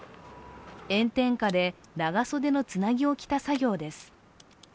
炎天下で、長袖のつなぎを着た作業です。